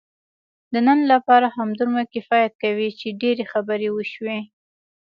د نن لپاره همدومره کفایت کوي، چې ډېرې خبرې وشوې.